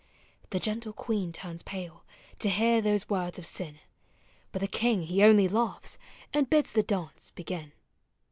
The gentle queen turns pale— to hear those words of sin, Jiut the king he only laughs— and bids the dance begin.